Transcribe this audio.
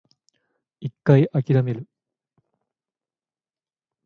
一回諦める